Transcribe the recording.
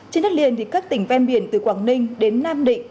trên đất liền các tỉnh ven biển từ quảng ninh đến nam định